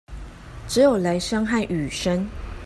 只有雷聲和雨聲